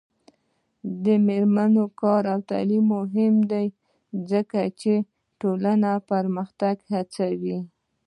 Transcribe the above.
د میرمنو کار او تعلیم مهم دی ځکه چې ټولنې پرمختګ هڅوي.